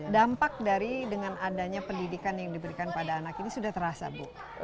dampak dari dengan adanya pendidikan yang diberikan pada anak ini sudah terasa bu